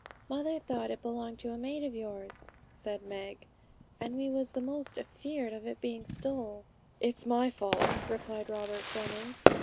'Mother thought it belonged to a mate of yours,' said Meg, 'and we was the more afeared of it being stole.' 'It's my fault,' replied Robert Fleming.